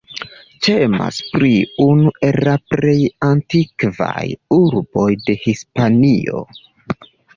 Temas pri unu el la plej antikvaj urboj de Hispanio.